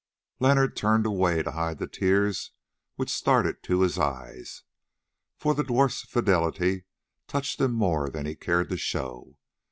Leonard turned away to hide the tears which started to his eyes, for the dwarf's fidelity touched him more than he cared to show.